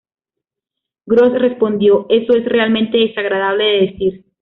Gross respondió: "Eso es realmente desagradable de decir".